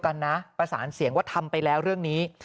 กรุงเทพฯมหานครทำไปแล้วนะครับ